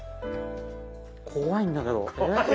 怖いんだけど。